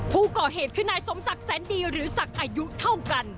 ผู้ก่อเหตุคือนายสมศักดิ์แสนดีหรือศักดิ์อายุเท่ากัน